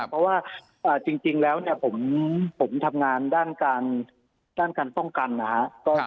เพราะว่าจริงแล้วเนี่ยผมทำงานด้านการป้องกันนะครับ